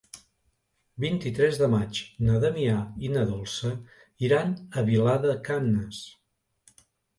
El vint-i-tres de maig na Damià i na Dolça iran a Vilar de Canes.